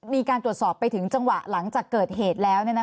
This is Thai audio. มีการตรวจสอบไปถึงจังหวะหลังจากเกิดเหตุแล้ว